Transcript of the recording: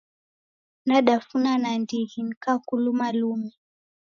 Nadafuna nandighi nikakuluma lumi.